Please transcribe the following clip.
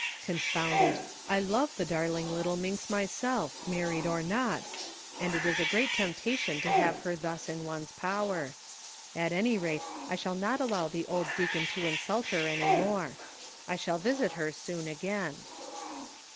Confound it, I love the darling little minx myself, married or not, and it is a great temptation to have her thus in one's power; at any rate, I shall not allow' the old deacon to insult her any more. I shall visit her soon again.''